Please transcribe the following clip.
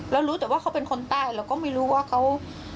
รู้แต่ว่าเขาเป็นคนใต้เราก็ไม่รู้ว่าเขา